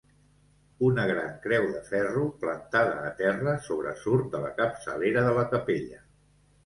Una gran creu de ferro, plantada a terra, sobresurt de la capçalera de la capella.